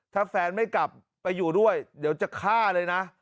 ถ้าแฟนไม่กลับไปอยู่ด้วยเดี๋ยวจะฆ่าเลยนะ